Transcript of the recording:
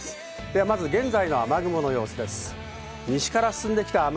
では、まず現在の雨雲の様子です。